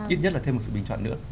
ít nhất là thêm một sự bình chọn nữa